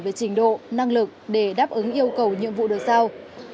về trình độ năng lực để đáp ứng yêu cầu nhiệm vụ được sao